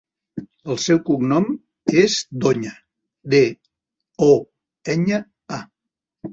El seu cognom és Doña: de, o, enya, a.